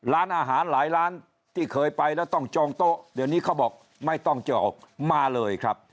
ร้านอาหารหลายร้านที่เคยไปแล้วต้องจองโต๊ะเดี๋ยวนี้เขาบอกไม่ต้องเจอออกมาเลยครับ